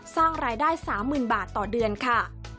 สร้างรายได้๓๐๐๐บาทต่อเดือนค่ะ